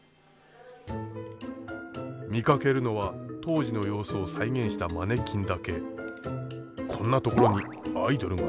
見かけるのは当時の様子を再現したマネキンだけ。